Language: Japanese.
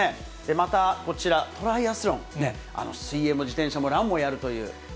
また、こちら、トライアスロン、水泳も自転車もランもやるという。